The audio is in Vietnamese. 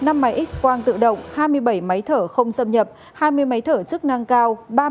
năm máy x quang tự động hai mươi bảy máy thở không xâm nhập hai mươi máy thở chức năng cao